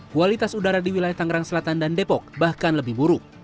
kualitas udara di wilayah tangerang selatan dan depok bahkan lebih buruk